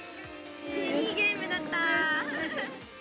いいゲームだったー。